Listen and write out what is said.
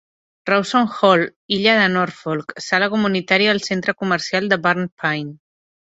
Rawson Hall, illa de Norfolk - sala comunitària al centre comercial The Burnt Pine.